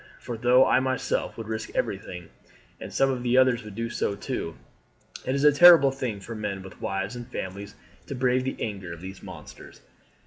For though I myself would risk everything, and some of the others would do so too, it is a terrible thing for men with wives and families to brave the anger of these monsters.